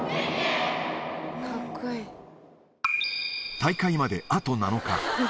大会まであと７日。